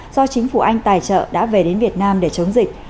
do chính phủ anh tài trợ đã về đến việt nam để chống dịch